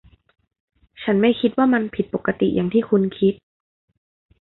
ฉันไม่คิดว่ามันผิดปกติอย่างที่คุณคิด